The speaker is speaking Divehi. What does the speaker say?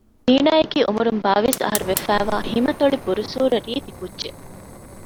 ޒީނާއަކީ އުމުރުން ބާވީސް އަހަރު ފުރިފައިވާ ހިމަތޮޅި ބުރުސޫރަ ރީތި ކުއްޖެއް